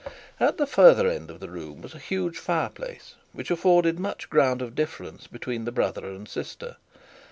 At the further end of the room was a huge fire place, which afforded much ground of difference between the brother and sister.